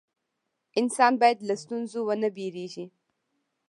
انسان باید له ستونزو ونه ویریږي.